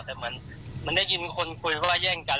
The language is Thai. แต่มันได้ยินคนคุยว่าแย่งกัน